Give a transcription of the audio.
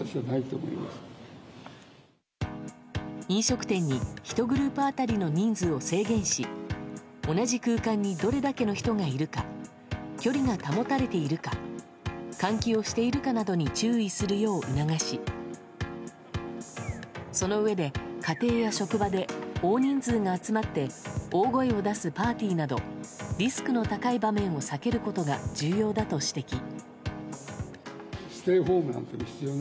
飲食店に１グループ当たりの人数を制限し同じ空間にどれだけの人がいるか距離が保たれているか換気をしているかなどに注意するよう促しそのうえで家庭や職場で大人数が集まって大声を出すパーティーなどリスクの高い場面を避けることが重要だと指摘。